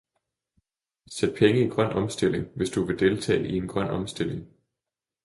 Sæt penge i grøn omstilling hvis du vil deltage i en grøn omstilling